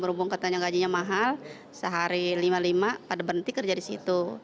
berhubung katanya gajinya mahal sehari lima puluh lima pada berhenti kerja di situ